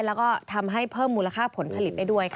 แล้วก็ทำให้เพิ่มมูลค่าผลผลิตได้ด้วยค่ะ